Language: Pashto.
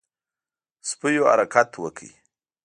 سپيو حرکت وکړ.